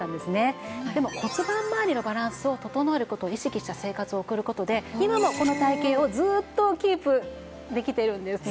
でも骨盤まわりのバランスを整える事を意識した生活を送る事で今もこの体形をずっとキープできてるんですね。